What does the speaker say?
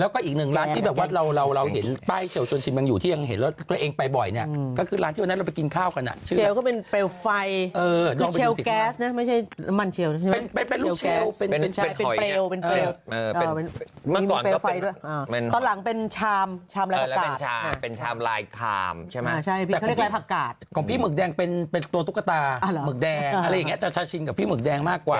ของพี่หมึกแดงเป็นตัวตุ๊กตาหมึกแดงอะไรแบบนี้จะชัดชินกับพี่หมึกแดงมากกว่า